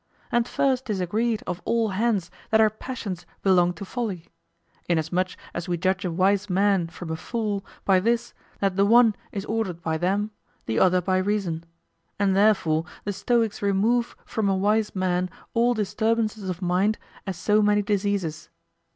And first 'tis agreed of all hands that our passions belong to Folly; inasmuch as we judge a wise man from a fool by this, that the one is ordered by them, the other by reason; and therefore the Stoics remove from a wise man all disturbances of mind as so many diseases.